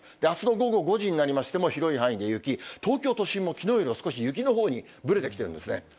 あすの午後５時になりましても、広い範囲で雪、東京都心もきのうよりは少し雪のほうにぶれてきてるんですね。